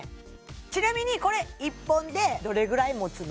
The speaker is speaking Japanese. ちなみにこれ１本でどれぐらいもつの？